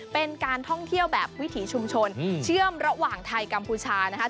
เป็นการท่องเที่ยวแบบวิถีชุมชนเชื่อมระหว่างไทยกัมพูชานะคะ